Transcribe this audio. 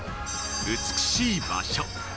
美しい場所。